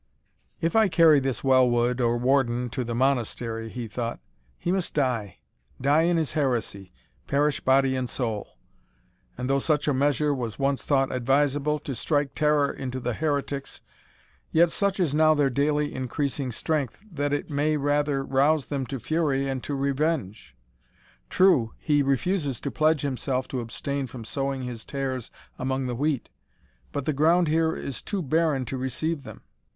"If I carry this Well wood, or Warden, to the Monastery." he thought, "he must die die in his heresy perish body and soul. And though such a measure was once thought advisable, to strike terror into the heretics, yet such is now their daily increasing strength, that it may rather rouse them to fury and to revenge. True, he refuses to pledge himself to abstain from sowing his tares among the wheat; but the ground here is too barren to receive them.